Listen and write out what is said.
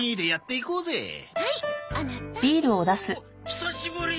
久しぶり！